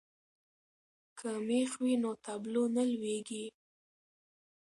که مېخ وي نو تابلو نه لویږي.